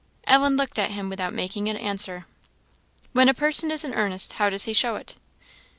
_" Ellen looked at him without making any answer. "When a person is in earnest, how does he show it?"